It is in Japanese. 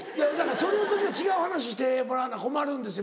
その時は違う話してもらわな困るんですよ